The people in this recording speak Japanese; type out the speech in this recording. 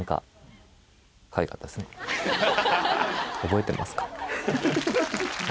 覚えてますか？